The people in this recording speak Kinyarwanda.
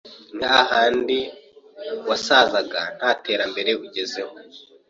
ni hahandi wazasaza nta terambere ugezeho,